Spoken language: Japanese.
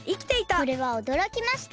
これもおどろきました。